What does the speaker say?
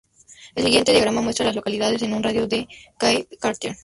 El siguiente diagrama muestra a las localidades en un radio de de Cape Carteret.